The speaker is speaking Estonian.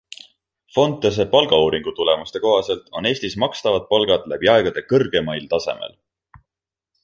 Fontese palgauuringu tulemuste kohaselt on Eestis makstavad palgad läbi aegade kõrgemail tasemel.